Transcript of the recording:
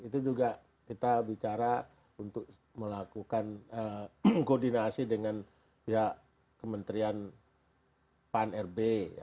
itu juga kita bicara untuk melakukan koordinasi dengan pihak kementerian pan rb